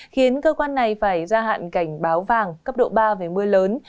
khiến cơ quan này phải ra hạn cảnh báo vàng cấp độ ba về mưa lớn